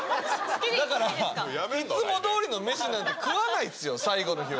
だから、いつもどおりの飯なんて食わないですよ、最後の日は。